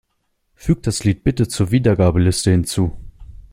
Füg das Lied bitte zur Wiedergabeliste hinzu.